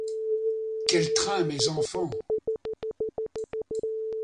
Quel train, mes enfants!